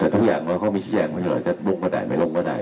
แต่ทุกอย่างเค้ามีชี้แจงไหมอ่าเราจะลงประไดมิลงก็ได้